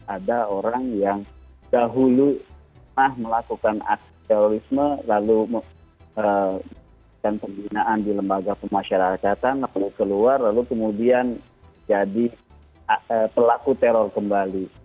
ada orang yang dahulu melakukan aksi terorisme lalu melakukan pembinaan di lembaga pemasyarakatan lalu keluar lalu kemudian jadi pelaku teror kembali